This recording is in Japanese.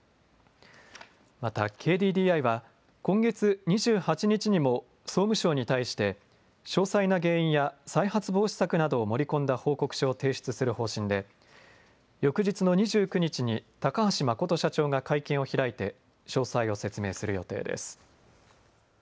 またＫＤＤＩは今月２８日にも総務省に対して詳細な原因や再発防止策などを盛り込んだ報告書を提出する方針で翌日の２９日に高橋誠社長が会見を開いて詳細を説明する予定です。